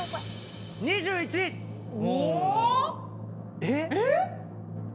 えっ？